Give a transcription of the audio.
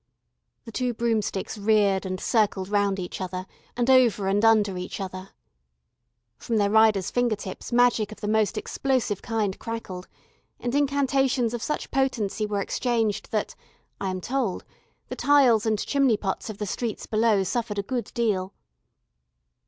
The two broomsticks reared and circled round each other, and over and under each other. From their riders' finger tips magic of the most explosive kind crackled, and incantations of such potency were exchanged that, I am told, the tiles and chimney pots of the streets below suffered a good deal.